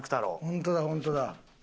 本当だ本当だ。